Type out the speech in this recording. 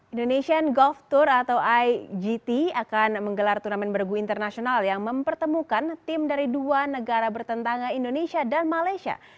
indonesian golf tour atau igt akan menggelar turnamen bergu internasional yang mempertemukan tim dari dua negara bertentangan indonesia dan malaysia